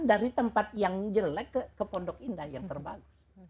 dari tempat yang jelek ke pondok indah yang terbagus